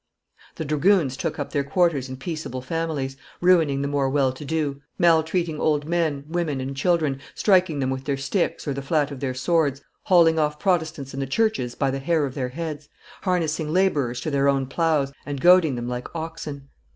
The dragoons took up their quarters in peaceable families, ruining the more well to do, maltreating old men, women, and children, striking them with their sticks or the flat of their swords, hauling off Protestants in the churches by the hair of their heads, harnessing laborers to their own ploughs, and goading them like oxen.